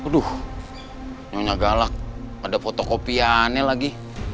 waduh nyonya galak ada foto kopi aneh lagi